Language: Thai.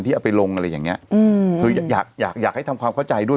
ที่เอาไปลงอะไรอย่างเงี้ยคืออยากให้ทำความเข้าใจด้วย